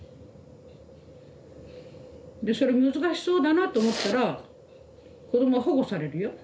でそれ難しそうだなと思ったら子どもは保護されるよ。